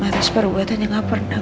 atas perbuatan yang gak pernah